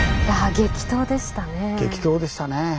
激闘でしたね。